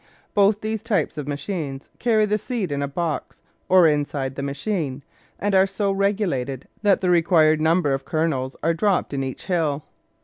Both these types of machine carry the seed in a box or inside the machine, and are so regulated that the required number of ker nels are dropped in each hill.